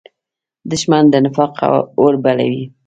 دښمن د نفاق اور بلوي